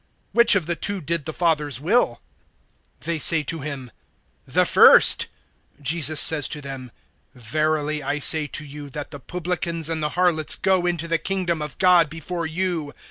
(31)Which of the two did the father's will? They say to him: The first[21:31]. Jesus says to them: Verily I say to you, that the publicans and the harlots go into the kingdom of God before you.